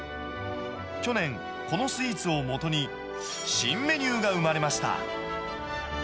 去年、このスイーツをもとに、新メニューが生まれました。